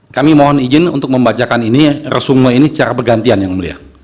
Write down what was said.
kami mohon izin untuk membacakan ini resume ini secara bergantian yang mulia